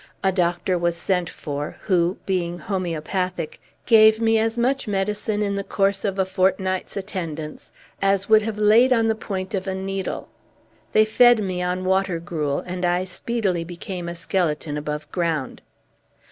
A doctor was sent for, who, being homaeopathic, gave me as much medicine, in the course of a fortnight's attendance, as would have laid on the point of a needle. They fed me on water gruel, and I speedily became a skeleton above ground.